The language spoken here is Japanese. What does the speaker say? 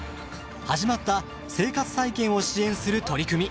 始まった生活再建を支援する取り組み。